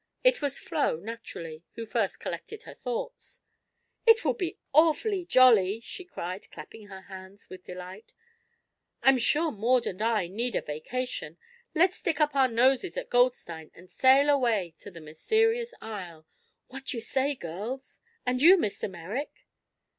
It was Flo, naturally, who first collected her thoughts. "It will be awfully jolly!" she cried, clapping her hands with delight. "I'm sure Maud and I need a vacation. Let's stick up our noses at Goldstein and sail away to the mysterious isle. What do you say, girls? And you, Mr. Merrick?"